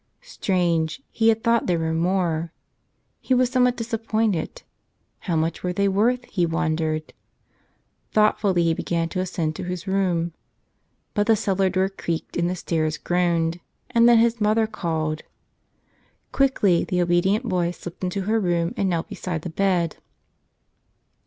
Strange — he had thought there were more : he was somewhat disappointed. How much were they worth, he wondered. Thought¬ fully he began to ascend to his room. But the cellar door creaked and the stairs groaned, and then his mother called. Quickly the obedient boy slipped into her room and knelt beside the bed.